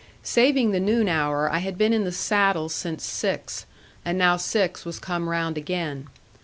Saving the noon hour, I had been in the saddle since six, and now six was come round again.